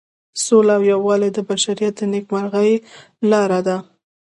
سوله او یووالی د بشریت د نیکمرغۍ لاره ده.